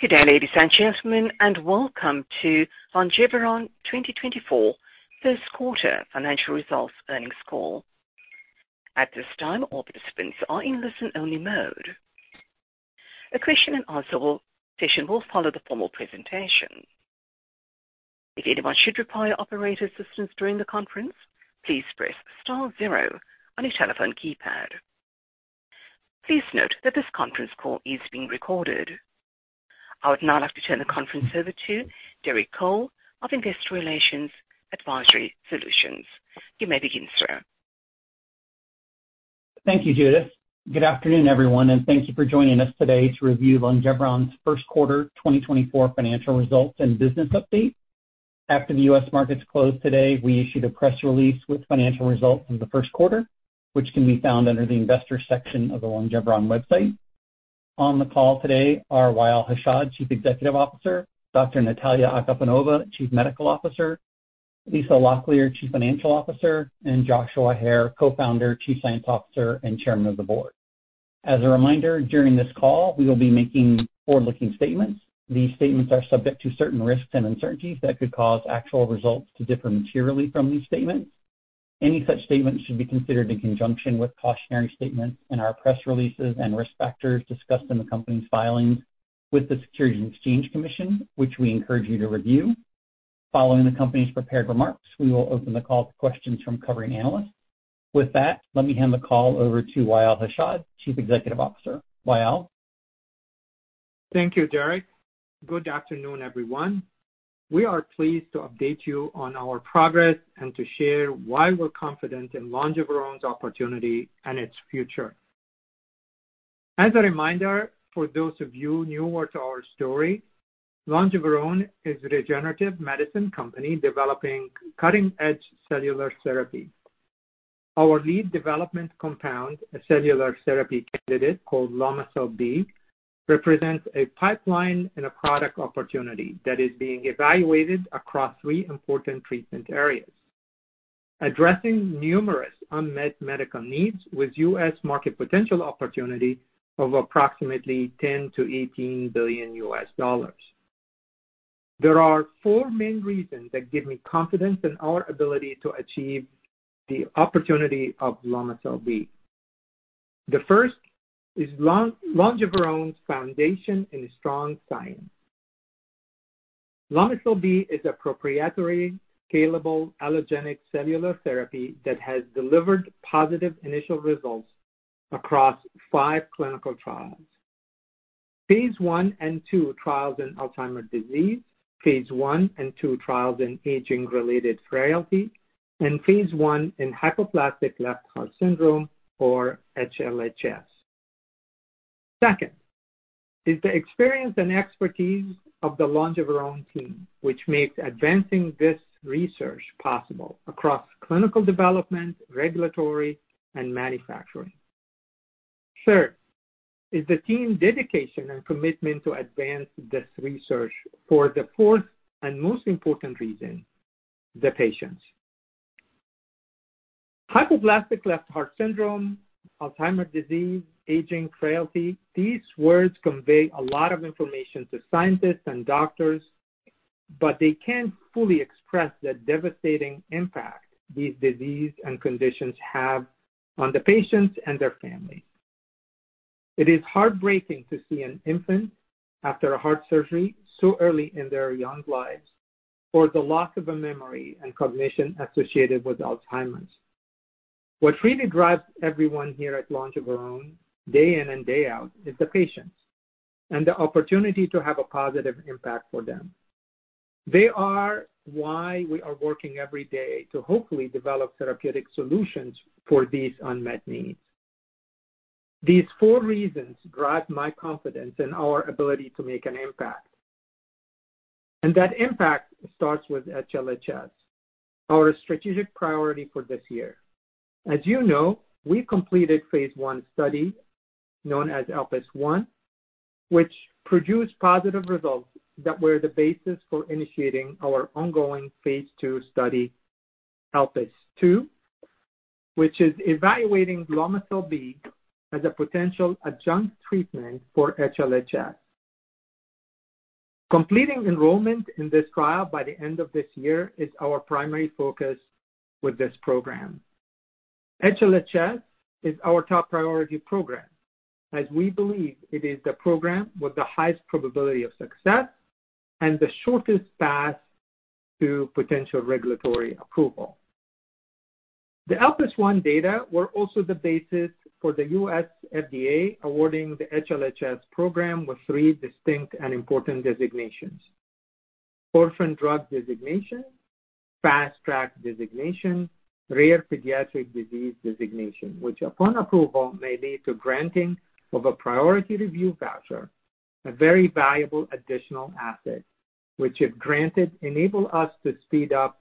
Good day, ladies and gentlemen, and welcome to Longeveron 2024 first quarter financial results earnings call. At this time, all participants are in listen-only mode. A question and answer session will follow the formal presentation. If anyone should require operator assistance during the conference, please press star zero on your telephone keypad. Please note that this conference call is being recorded. I would now like to turn the conference over to Derek Cole of Investor Relations Advisory Solutions. You may begin, sir. Thank you, Judith. Good afternoon, everyone, and thank you for joining us today to review Longeveron's first quarter 2024 financial results and business update. After the U.S. markets closed today, we issued a press release with financial results from the first quarter, which can be found under the investor section of the Longeveron website. On the call today are Wa'el Hashad, Chief Executive Officer, Dr. Nataliya Agafonova, Chief Medical Officer, Lisa Locklear, Chief Financial Officer, and Joshua Hare, Co-Founder, Chief Science Officer, and Chairman of the Board. As a reminder, during this call, we will be making forward-looking statements. These statements are subject to certain risks and uncertainties that could cause actual results to differ materially from these statements. Any such statements should be considered in conjunction with cautionary statements in our press releases and risk factors discussed in the company's filings with the Securities and Exchange Commission, which we encourage you to review. Following the company's prepared remarks, we will open the call to questions from covering analysts. With that, let me hand the call over to Wa'el Hashad, Chief Executive Officer. Wa'el? Thank you, Derek. Good afternoon, everyone. We are pleased to update you on our progress and to share why we're confident in Longeveron's opportunity and its future. As a reminder, for those of you newer to our story, Longeveron is a regenerative medicine company developing cutting-edge cellular therapy. Our lead development compound, a cellular therapy candidate called Lomecel-B, represents a pipeline and a product opportunity that is being evaluated across three important treatment areas, addressing numerous unmet medical needs with U.S. market potential opportunity of approximately $10 billion-$18 billion. There are four main reasons that give me confidence in our ability to achieve the opportunity of Lomecel-B. The first is Longeveron's foundation in strong science. Lomecel-B is a proprietary, scalable, allogeneic cellular therapy that has delivered positive initial results across five clinical trials. Phase 1 and 2 trials in Alzheimer's Phase 1 and 2 trials in aging-related frailty, Phase 1 in hypoplastic left heart syndrome, or HLHS. Second is the experience and expertise of the Longeveron team, which makes advancing this research possible across clinical development, regulatory, and manufacturing. Third is the team's dedication and commitment to advance this research for the fourth and most important reason, the patients. Hypoplastic left heart syndrome, Alzheimer's disease, aging, frailty, these words convey a lot of information to scientists and doctors, but they can't fully express the devastating impact these diseases and conditions have on the patients and their families. It is heartbreaking to see an infant after a heart surgery so early in their young lives, or the loss of a memory and cognition associated with Alzheimer's. What really drives everyone here at Longeveron day in and day out is the patients and the opportunity to have a positive impact for them. They are why we are working every day to hopefully develop therapeutic solutions for these unmet needs. These four reasons drive my confidence in our ability to make an impact, and that impact starts with HLHS, our strategic priority for this year. As you know, we Phase 1 study, known as ELPIS I, which produced positive results that were the basis for initiating our ongoing Phase 2 study, ELPIS II, which is evaluating Lomecel-B as a potential adjunct treatment for HLHS. Completing enrollment in this trial by the end of this year is our primary focus with this program. HLHS is our top priority program, as we believe it is the program with the highest probability of success and the shortest path to potential regulatory approval. The ELPIS I data were also the basis for the U.S. FDA awarding the HLHS program with three distinct and important designations: Orphan Drug Designation, Fast Track Designation, Rare Pediatric Disease Designation, which, upon approval, may lead to granting of a Priority Review Vouchers, a very valuable additional asset, which, if granted, enable us to speed up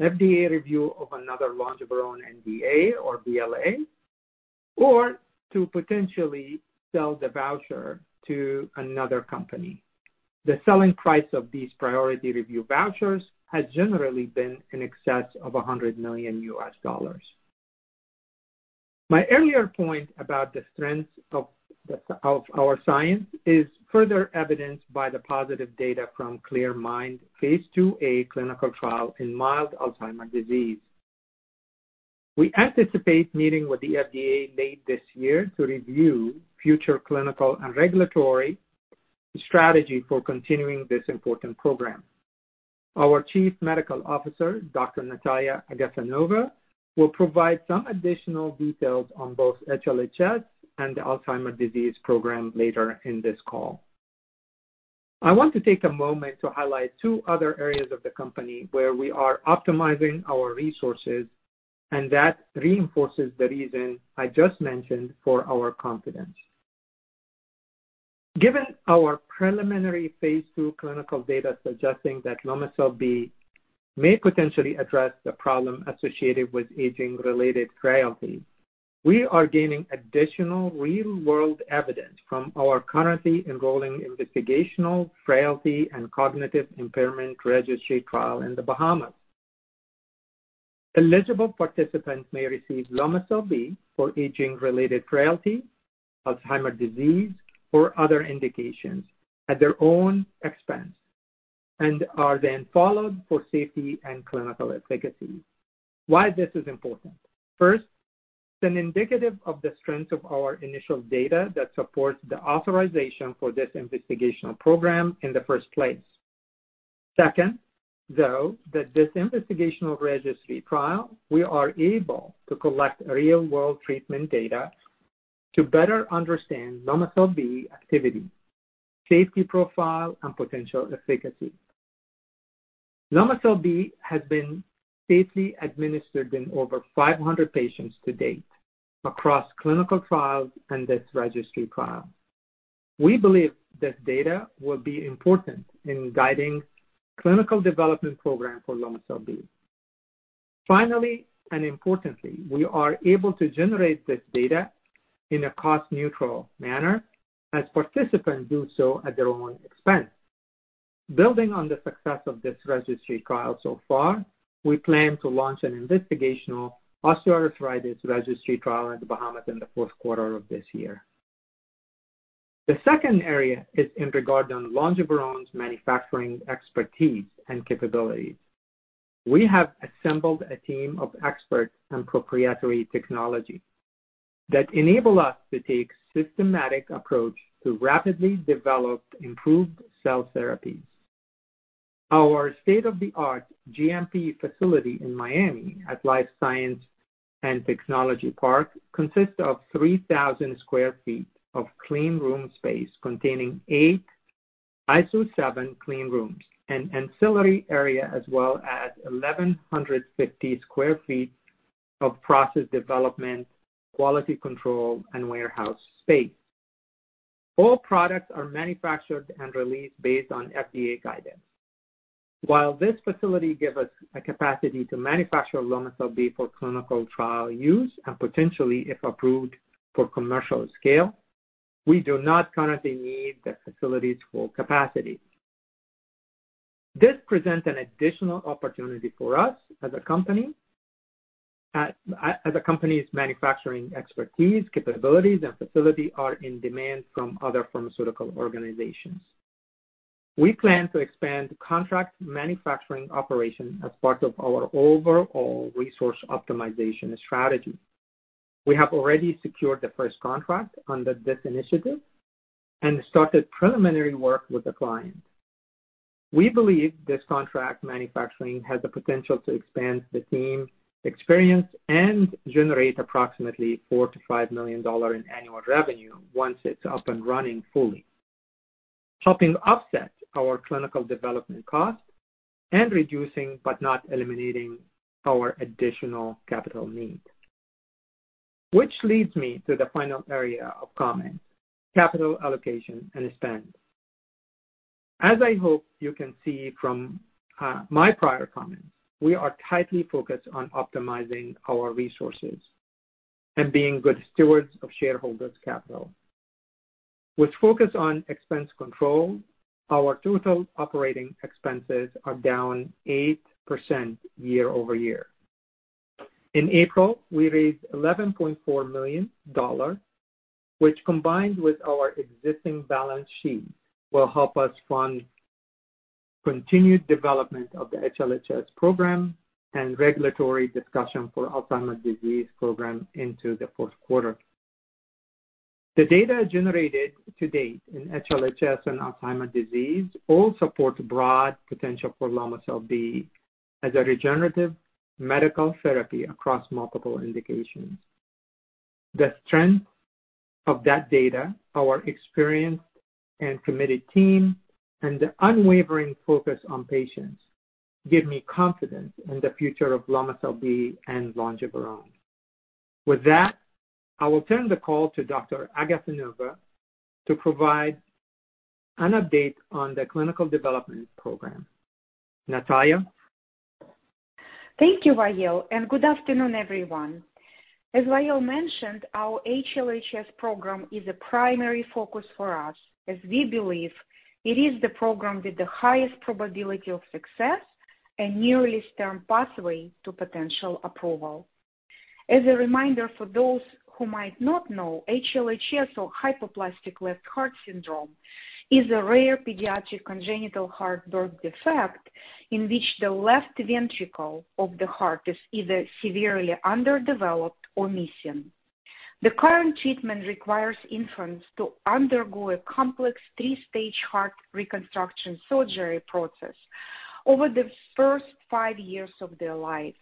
FDA review of another Longeveron NDA or BLA, or to potentially sell the voucher to another company. The selling price of these Priority Review Vouchers has generally been in excess of $100 million. My earlier point about the strength of the our science is further evidenced by the positive data from CLEAR MIND Phase IIa clinical trial in mild Alzheimer's disease. We anticipate meeting with the FDA late this year to review future clinical and regulatory strategy for continuing this important program. Our Chief Medical Officer, Dr. Nataliya Agafonova will provide some additional details on both HLHS and the Alzheimer's disease program later in this call. I want to take a moment to highlight two other areas of the company where we are optimizing our resources, and that reinforces the reason I just mentioned for our confidence. Given our preliminary Phase 2 clinical data suggesting that Lomecel-B may potentially address the problem associated with aging-related frailty, we are gaining additional real-world evidence from our currently enrolling Investigational Frailty and Cognitive Impairment Registry Trial in the Bahamas. Eligible participants may receive Lomecel-B for aging-related frailty, Alzheimer's disease, or other indications at their own expense, and are then followed for safety and clinical efficacy. Why this is important? First, it's indicative of the strength of our initial data that supports the authorization for this investigational program in the first place. Second, though, that this investigational registry trial, we are able to collect real-world treatment data to better understand Lomecel-B activity, safety profile, and potential efficacy. Lomecel-B has been safely administered in over 500 patients to date across clinical trials and this registry trial. We believe this data will be important in guiding clinical development program for Lomecel-B. Finally, and importantly, we are able to generate this data in a cost-neutral manner as participants do so at their own expense. Building on the success of this registry trial so far, we plan to launch an Investigational Osteoarthritis Registry Trial in the Bahamas in the fourth quarter of this year. The second area is in regard on Longeveron's manufacturing expertise and capabilities. We have assembled a team of experts and proprietary technology that enable us to take systematic approach to rapidly develop improved cell therapies. Our state-of-the-art GMP facility in Miami at Life Science and Technology Park consists of 3,000 sq ft of clean room space, containing eight ISO 7 clean rooms and ancillary area, as well as 1,150 sq ft of process development, quality control, and warehouse space. All products are manufactured and released based on FDA guidance. While this facility gives us a capacity to manufacture Lomecel-B for clinical trial use and potentially, if approved, for commercial scale, we do not currently need the facilities for capacity. This presents an additional opportunity for us as a company, as a company's manufacturing expertise, capabilities and facility are in demand from other pharmaceutical organizations. We plan to expand contract manufacturing operation as part of our overall resource optimization strategy. We have already secured the first contract under this initiative and started preliminary work with the client. We believe this contract manufacturing has the potential to expand the team experience and generate approximately $4-$5 million in annual revenue once it's up and running fully, helping offset our clinical development costs and reducing, but not eliminating, our additional capital needs. Which leads me to the final area of comment, capital allocation and spend. As I hope you can see from my prior comments, we are tightly focused on optimizing our resources and being good stewards of shareholders' capital. With focus on expense control, our total operating expenses are down 8% year-over-year. In April, we raised $11.4 million, which, combined with our existing balance sheet, will help us fund continued development of the HLHS program and regulatory discussion for Alzheimer's disease program into the fourth quarter. The data generated to date in HLHS and Alzheimer's disease all support broad potential for Lomecel-B as a regenerative medical therapy across multiple indications. The strength of that data, our experienced and committed team, and the unwavering focus on patients give me confidence in the future of Lomecel-B and Longeveron. With that, I will turn the call to Dr. Agafonova to provide an update on the clinical development program. Natalia? Thank you, Wa'el, and good afternoon, everyone. As Wa'el mentioned, our HLHS program is a primary focus for us, as we believe it is the program with the highest probability of success, a nearest term pathway to potential approval. As a reminder, for those who might not know, HLHS, or hypoplastic left heart syndrome, is a rare pediatric congenital heart birth defect in which the left ventricle of the heart is either severely underdeveloped or missing. The current treatment requires infants to undergo a complex three-stage heart reconstruction surgery process over the first five years of their life.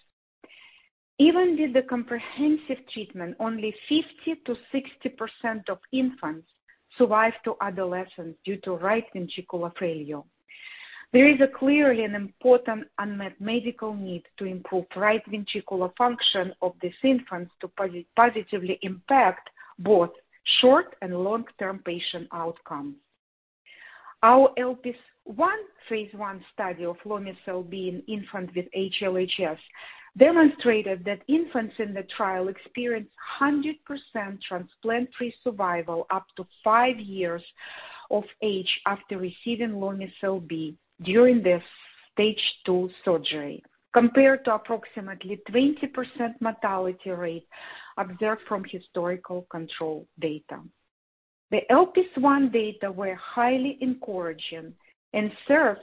Even with the comprehensive treatment, only 50%-60% of infants survive to adolescence due to right ventricular failure. There is clearly an important unmet medical need to improve right ventricular function of these infants to positively impact both short and long-term patient outcomes. Our ELPIS Phase 1 study of Lomecel-B in infants with HLHS demonstrated that infants in the trial experienced 100% transplant-free survival up to 5 years of age after receiving Lomecel-B during the stage two surgery, compared to approximately 20% mortality rate observed from historical control data. The ELPIS I data were highly encouraging and served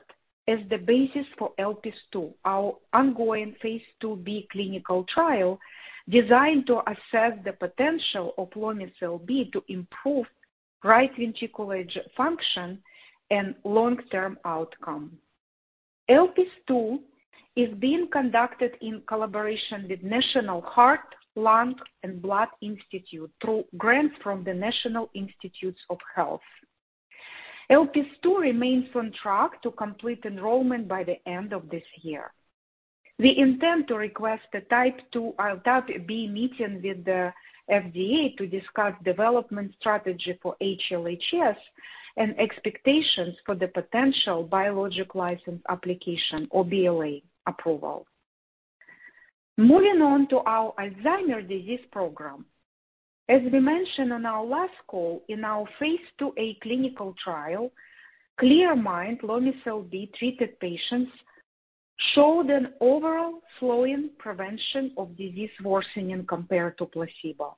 as the basis for ELPIS II, our ongoing Phase 2b clinical trial, designed to assess the potential of Lomecel-B to improve right ventricular function and long-term outcome. ELPIS II is being conducted in collaboration with National Heart, Lung, and Blood Institute through grants from the National Institutes of Health. ELPIS II remains on track to complete enrollment by the end of this year. We intend to request a Type B meeting with the FDA to discuss development strategy for HLHS and expectations for the potential Biologics License Application, or BLA, approval. Moving on to our Alzheimer's disease program. As we mentioned on our last call, in our Phase 2a clinical trial, CLEAR MIND, Lomecel-B treated patients showed an overall slowing prevention of disease worsening compared to placebo.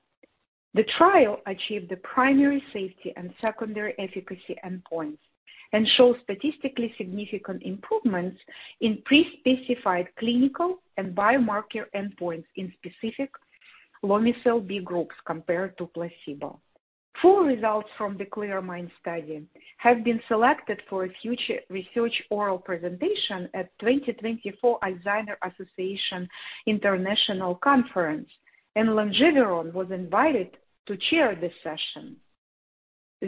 The trial achieved the primary safety and secondary efficacy endpoints and showed statistically significant improvements in pre-specified clinical and biomarker endpoints in specific Lomecel-B groups compared to placebo. Full results from the CLEAR MIND study have been selected for a future research oral presentation at 2024 Alzheimer’s Association International Conference, and Longeveron was invited to chair this session.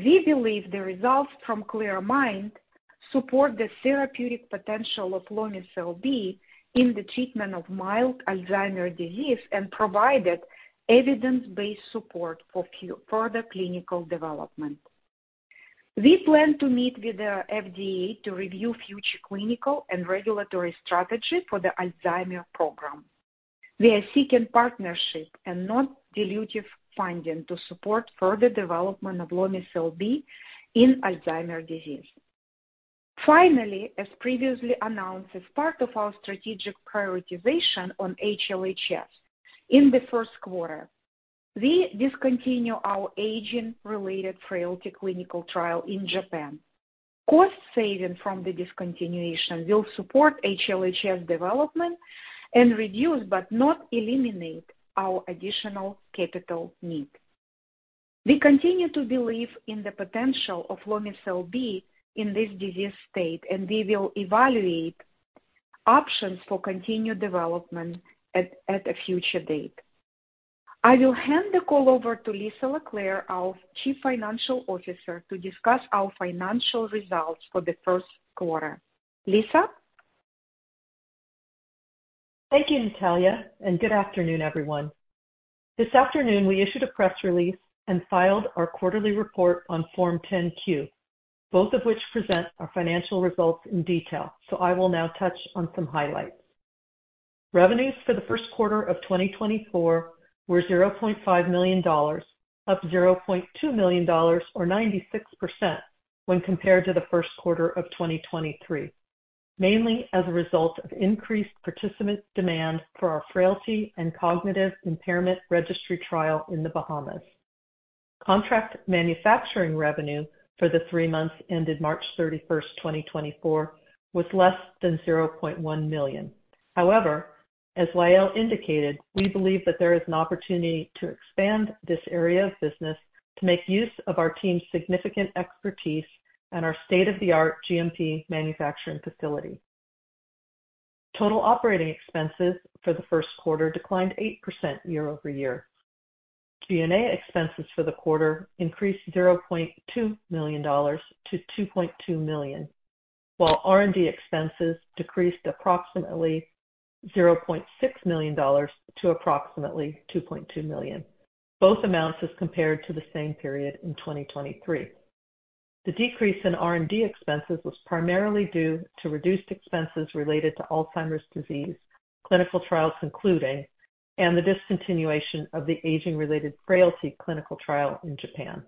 We believe the results from CLEAR MIND support the therapeutic potential of Lomecel-B in the treatment of mild Alzheimer's disease and provided evidence-based support for further clinical development. We plan to meet with the FDA to review future clinical and regulatory strategy for the Alzheimer's program. We are seeking partnership and not dilutive funding to support further development of Lomecel-B in Alzheimer's disease. Finally, as previously announced, as part of our strategic prioritization on HLHS, in the first quarter, we discontinue our aging-related frailty clinical trial in Japan. Cost saving from the discontinuation will support HLHS development and reduce, but not eliminate, our additional capital need. We continue to believe in the potential of Lomecel-B in this disease state, and we will evaluate options for continued development at a future date. I will hand the call over to Lisa Locklear, our Chief Financial Officer, to discuss our financial results for the first quarter. Lisa? Thank you, Nataliya, and good afternoon, everyone. This afternoon, we issued a press release and filed our quarterly report on Form 10-Q, both of which present our financial results in detail, so I will now touch on some highlights. Revenues for the first quarter of 2024 were $0.5 million, up $0.2 million, or 96% when compared to the first quarter of 2023, mainly as a result of increased participant demand for our frailty and cognitive impairment registry trial in the Bahamas. Contract manufacturing revenue for the three months ended March 31, 2024, was less than $0.1 million. However, as Wa'el indicated, we believe that there is an opportunity to expand this area of business to make use of our team's significant expertise and our state-of-the-art GMP manufacturing facility. Total operating expenses for the first quarter declined 8% year-over-year. G&A expenses for the quarter increased $0.2 million to $2.2 million, while R&D expenses decreased approximately $0.6 million to approximately $2.2 million. Both amounts as compared to the same period in 2023. The decrease in R&D expenses was primarily due to reduced expenses related to Alzheimer's disease, clinical trials concluding, and the discontinuation of the aging-related frailty clinical trial in Japan....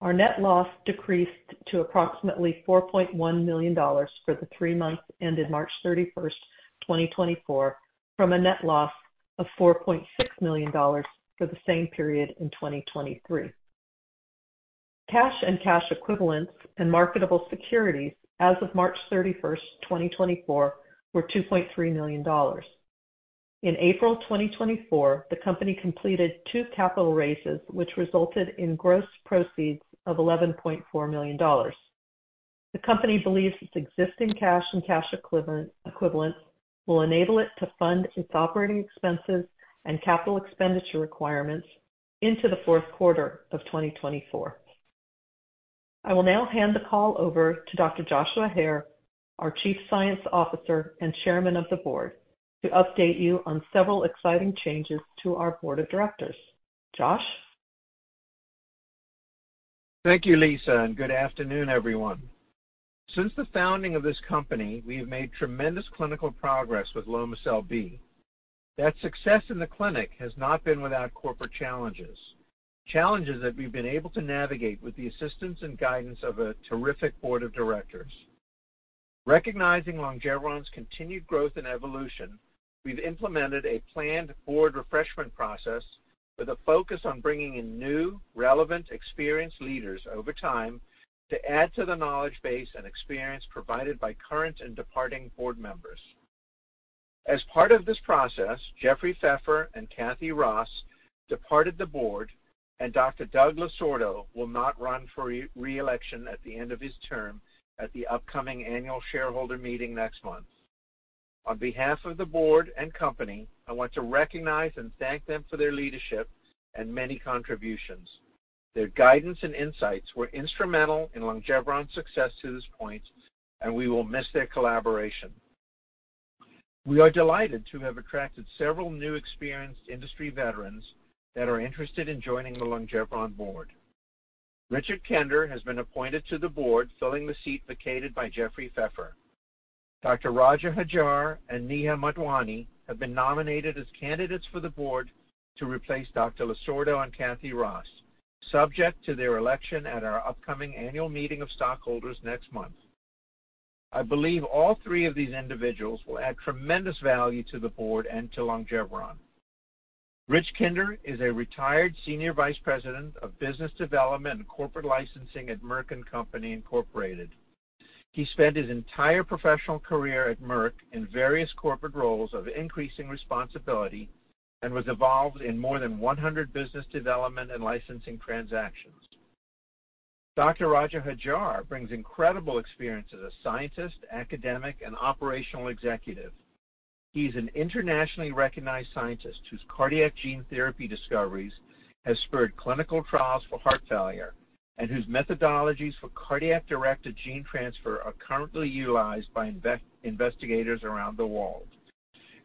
Our net loss decreased to approximately $4.1 million for the three months ended March 31, 2024, from a net loss of $4.6 million for the same period in 2023. Cash and cash equivalents and marketable securities as of March 31, 2024, were $2.3 million. In April 2024, the company completed two capital raises, which resulted in gross proceeds of $11.4 million. The company believes its existing cash and cash equivalents will enable it to fund its operating expenses and capital expenditure requirements into the fourth quarter of 2024. I will now hand the call over to Dr. Joshua Hare, our Chief Science Officer and Chairman of the Board, to update you on several exciting changes to our board of directors. Josh? Thank you, Lisa, and good afternoon, everyone. Since the founding of this company, we have made tremendous clinical progress with Lomecel-B. That success in the clinic has not been without corporate challenges, challenges that we've been able to navigate with the assistance and guidance of a terrific board of directors. Recognizing Longeveron's continued growth and evolution, we've implemented a planned board refreshment process with a focus on bringing in new, relevant, experienced leaders over time to add to the knowledge base and experience provided by current and departing board members. As part of this process, Jeffrey Pfeffer and Cathy Ross departed the board, and Dr. Doug Losordo will not run for reelection at the end of his term at the upcoming annual shareholder meeting next month. On behalf of the board and company, I want to recognize and thank them for their leadership and many contributions. Their guidance and insights were instrumental in Longeveron's success to this point, and we will miss their collaboration. We are delighted to have attracted several new experienced industry veterans that are interested in joining the Longeveron board. Rich Kender has been appointed to the board, filling the seat vacated by Jeffrey Pfeffer. Dr. Roger Hajjar and Neha Motwani have been nominated as candidates for the board to replace Dr. Losordo and Cathy Ross, subject to their election at our upcoming annual meeting of stockholders next month. I believe all three of these individuals will add tremendous value to the board and to Longeveron. Rich Kender is a retired Senior Vice President of Business Development and Corporate Licensing at Merck & Co., Inc. He spent his entire professional career at Merck in various corporate roles of increasing responsibility and was involved in more than 100 business development and licensing transactions. Dr. Roger Hajjar brings incredible experience as a scientist, academic, and operational executive. He's an internationally recognized scientist whose cardiac gene therapy discoveries have spurred clinical trials for heart failure and whose methodologies for cardiac-directed gene transfer are currently utilized by investigators around the world.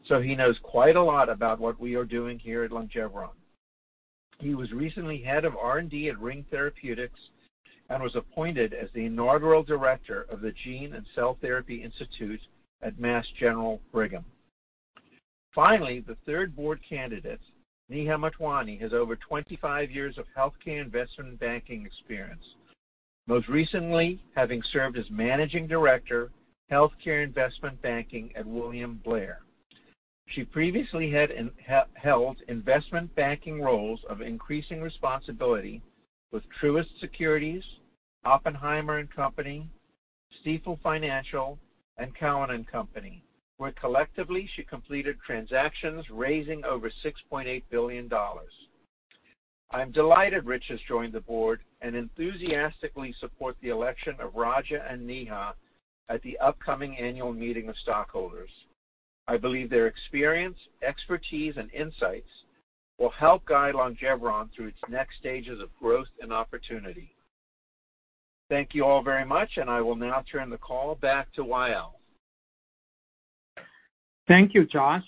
So he knows quite a lot about what we are doing here at Longeveron. He was recently head of R&D at Ring Therapeutics and was appointed as the inaugural director of the Gene and Cell Therapy Institute at Mass General Brigham. Finally, the third board candidate, Neha Motwani, has over 25 years of healthcare investment banking experience, most recently having served as Managing Director, Healthcare Investment Banking at William Blair. She previously held investment banking roles of increasing responsibility with Truist Securities, Oppenheimer and Company, Stifel Financial, and Cowen and Company, where collectively she completed transactions raising over $6.8 billion. I'm delighted Rich has joined the board and enthusiastically support the election of Roger and Neha at the upcoming annual meeting of stockholders. I believe their experience, expertise, and insights will help guide Longeveron through its next stages of growth and opportunity. Thank you all very much, and I will now turn the call back to Wa'el. Thank you, Josh.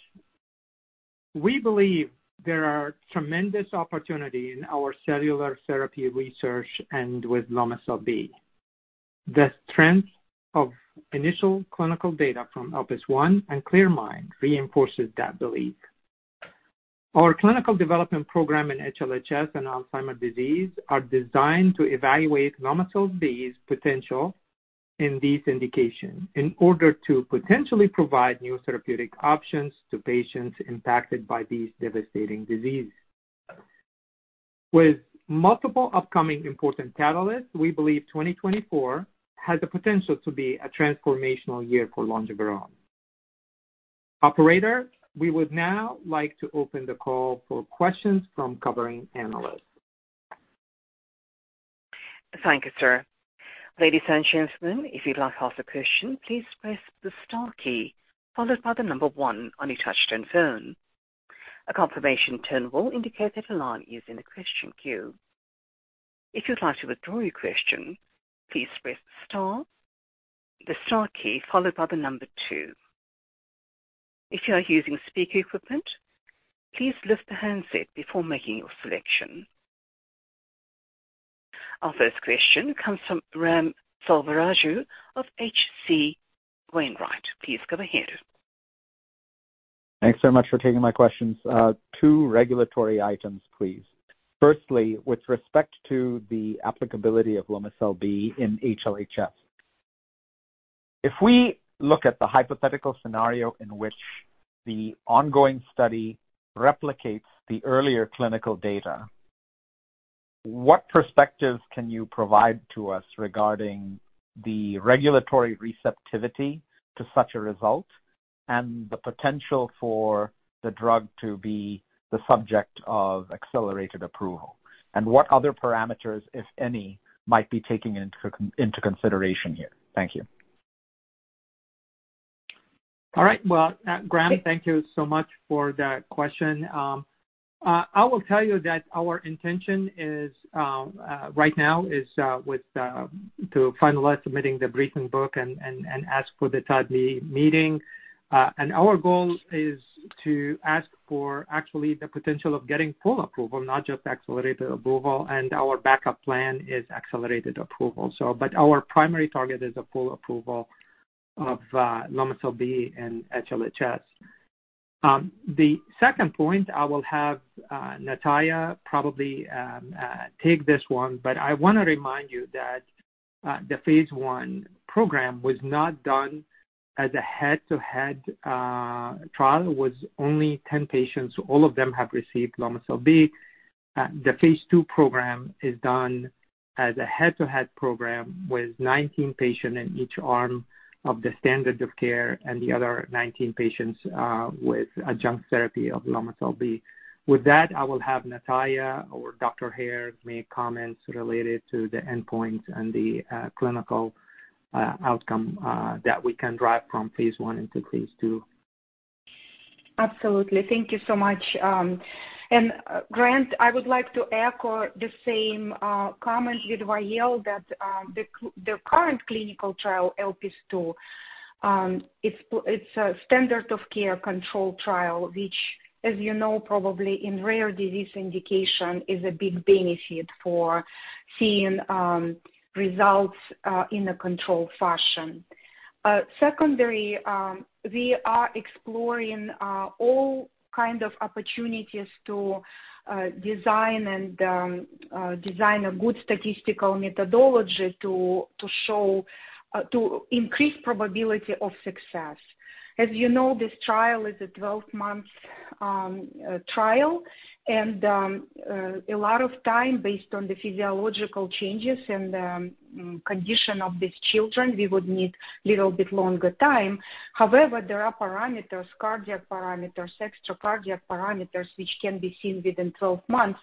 We believe there are tremendous opportunity in our cellular therapy research and with Lomecel-B. The strength of initial clinical data from ELPIS I and CLEAR MIND reinforces that belief. Our clinical development program in HLHS and Alzheimer's disease are designed to evaluate Lomecel-B's potential in these indications in order to potentially provide new therapeutic options to patients impacted by these devastating diseases. With multiple upcoming important catalysts, we believe 2024 has the potential to be a transformational year for Longeveron. Operator, we would now like to open the call for questions from covering analysts. Thank you, sir. Ladies and gentlemen, if you'd like to ask a question, please press the star key followed by the number one on your touchtone phone. A confirmation tone will indicate that a line is in the question queue. If you'd like to withdraw your question, please press star, the star key followed by the number two. If you are using speaker equipment, please lift the handset before making your selection. Our first question comes from Ram Selvaraju of H.C. Wainwright. Please go ahead. Thanks very much for taking my questions. Two regulatory items, please. Firstly, with respect to the applicability of Lomecel-B in HLHS, if we look at the hypothetical scenario in which the ongoing study replicates the earlier clinical data, what perspectives can you provide to us regarding the regulatory receptivity to such a result and the potential for the drug to be the subject of accelerated approval? And what other parameters, if any, might be taken into consideration here? Thank you. All right. Well, Ram, thank you so much for that question. I will tell you that our intention is, right now is, with, to finalize submitting the briefing book and ask for the Type B Meeting. And our goal is to ask for actually the potential of getting full approval, not just accelerated approval, and our backup plan is accelerated approval. So, but our primary target is a full approval of Lomecel-B and HLHS. The second point, I will have Nataliya probably take this one, but I want to remind you that Phase 1 program was not done as a head-to-head trial. It was only 10 patients, all of them have received Lomecel-B. The Phase 2 program is done as a head-to-head program with 19 patients in each arm of the standard of care and the other 19 patients with adjunct therapy of Lomecel-B. With that, I will have Nataliya or Dr. Hare make comments related to the endpoints and the clinical outcome that we can derive Phase 1 into Phase 2. Absolutely. Thank you so much. And, Grant, I would like to echo the same comment with Wa'el that the current clinical trial, ELPIS II, it's a standard of care control trial, which, as you know, probably in rare disease indication, is a big benefit for seeing results in a controlled fashion. Secondary, we are exploring all kind of opportunities to design and design a good statistical methodology to show to increase probability of success. As you know, this trial is a 12-month trial, and a lot of time, based on the physiological changes and condition of these children, we would need little bit longer time. However, there are parameters, cardiac parameters, extracardiac parameters, which can be seen within 12 months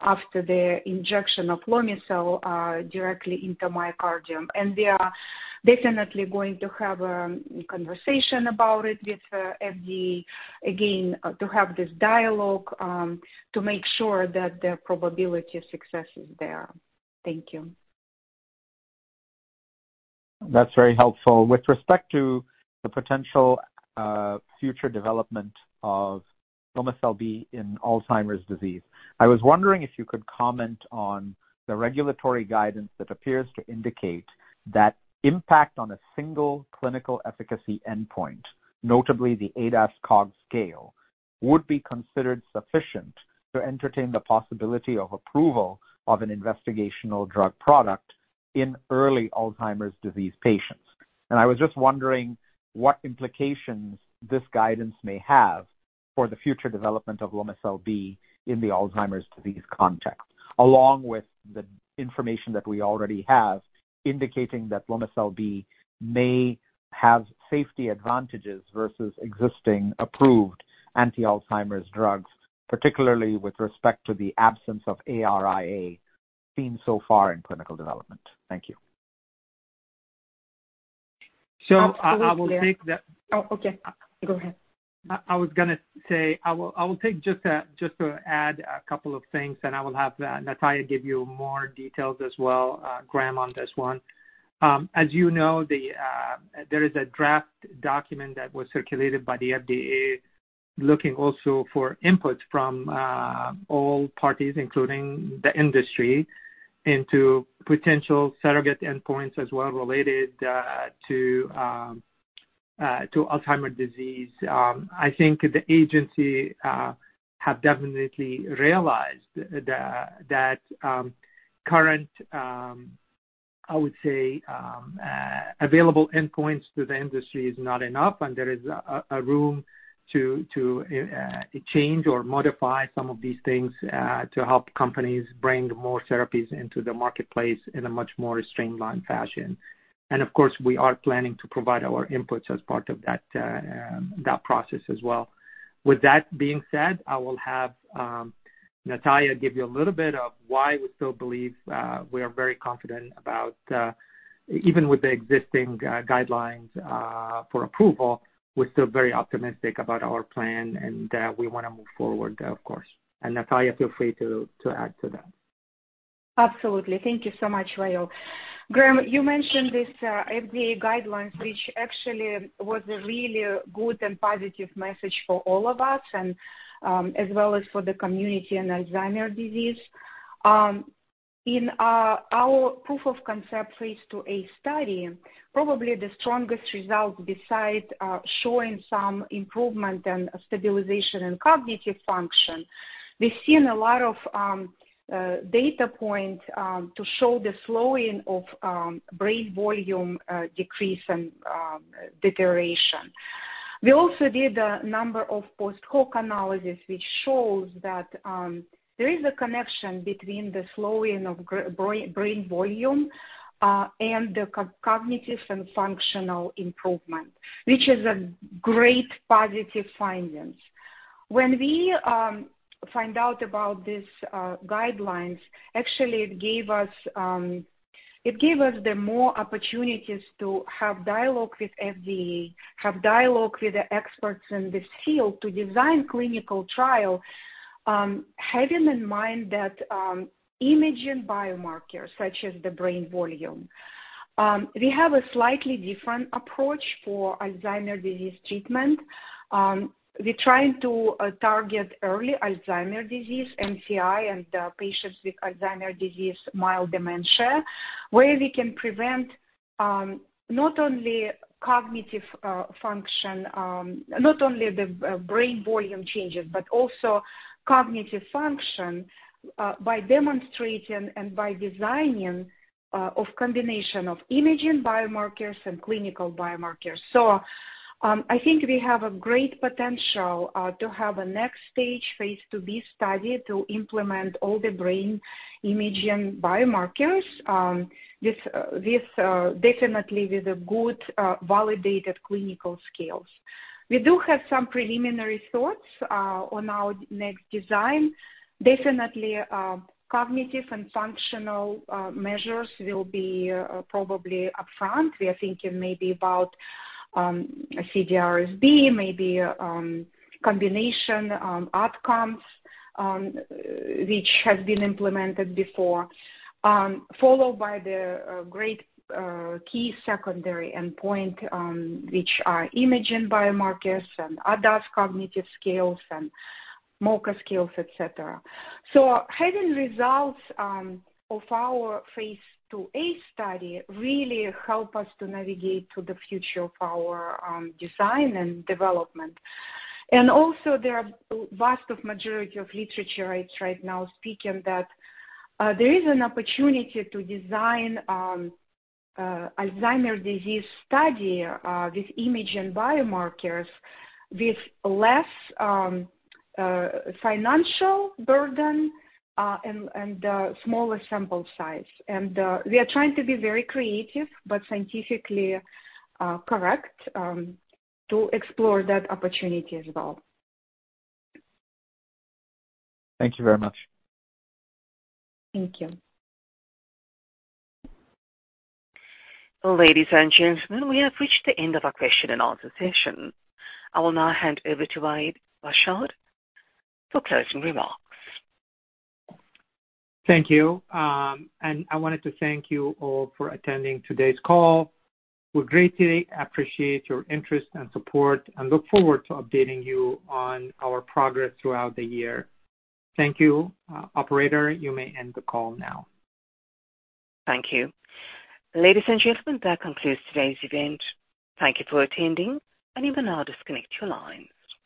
after the injection of Lomecel-B directly into myocardium. And we are definitely going to have a conversation about it with FDA again to have this dialogue to make sure that the probability of success is there. Thank you. That's very helpful. With respect to the potential, future development of Lomecel-B in Alzheimer's disease, I was wondering if you could comment on the regulatory guidance that appears to indicate that impact on a single clinical efficacy endpoint, notably the ADAS-Cog scale, would be considered sufficient to entertain the possibility of approval of an investigational drug product in early Alzheimer's disease patients. And I was just wondering what implications this guidance may have for the future development of Lomecel-B in the Alzheimer's disease context, along with the information that we already have, indicating that Lomecel-B may have safety advantages versus existing approved anti-Alzheimer's drugs, particularly with respect to the absence of ARIA seen so far in clinical development. Thank you. So, I will take the- Oh, okay. Go ahead. I was gonna say, I will take just a, just to add a couple of things, and I will have Nataliya give you more details as well, Ram, on this one. As you know, there is a draft document that was circulated by the FDA, looking also for input from all parties, including the industry, into potential surrogate endpoints as well related to Alzheimer's disease. I think the agency have definitely realized that current, I would say, available endpoints to the industry is not enough, and there is a room to change or modify some of these things to help companies bring more therapies into the marketplace in a much more streamlined fashion. And of course, we are planning to provide our inputs as part of that process as well. With that being said, I will have Nataliya give you a little bit of why we still believe we are very confident about even with the existing guidelines for approval. We're still very optimistic about our plan, and we want to move forward, of course. And Nataliya, feel free to add to that. Absolutely. Thank you so much, Wa'el. Ram, you mentioned this, FDA guidelines, which actually was a really good and positive message for all of us and, as well as for the community in Alzheimer's disease. In our proof of concept Phase IIa study, probably the strongest result besides showing some improvement and stabilization in cognitive function, we've seen a lot of data point to show the slowing of brain volume decrease and deterioration. We also did a number of post-hoc analysis, which shows that there is a connection between the slowing of brain volume and the cognitive and functional improvement, which is a great positive findings. When we find out about this guidelines, actually, it gave us the more opportunities to have dialogue with FDA, have dialogue with the experts in this field to design clinical trial, having in mind that, imaging biomarkers, such as the brain volume. We have a slightly different approach for Alzheimer's disease treatment. We're trying to target early Alzheimer's disease, MCI, and patients with Alzheimer's disease, mild dementia, where we can prevent not only the brain volume changes, but also cognitive function, by demonstrating and by designing of combination of imaging biomarkers and clinical biomarkers. So, I think we have a great potential to have a next stage phase IIb study to implement all the brain imaging biomarkers with definitely a good validated clinical scales. We do have some preliminary thoughts on our next design. Definitely, cognitive and functional measures will be probably upfront. We are thinking maybe about CDR-SB, maybe combination outcomes, which has been implemented before, followed by the great key secondary endpoint, which are imaging biomarkers and ADAS-Cog cognitive scales and MoCA scales, et cetera. So having results of our phase IIa study really help us to navigate to the future of our design and development. Also, there is a vast majority of literature that's right now speaking that there is an opportunity to design Alzheimer's disease study with imaging biomarkers with less financial burden and smaller sample size. We are trying to be very creative but scientifically correct to explore that opportunity as well. Thank you very much. Thank you. Ladies and gentlemen, we have reached the end of our question and answer session. I will now hand over to Wa'el Hashad for closing remarks. Thank you. I wanted to thank you all for attending today's call. We greatly appreciate your interest and support, and look forward to updating you on our progress throughout the year. Thank you. Operator, you may end the call now. Thank you. Ladies and gentlemen, that concludes today's event. Thank you for attending, and you may now disconnect your lines.